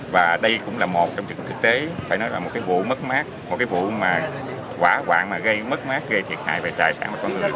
và đây cũng là một trong trực tiếp tế phải nói là một cái vụ mất mát một cái vụ quả quạng mà gây mất mát gây thiệt hại về tài sản của con người